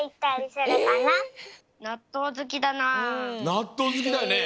なっとうずきだよね。